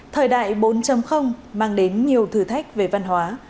thời đại bốn mang đến nhiều thử thách về văn hóa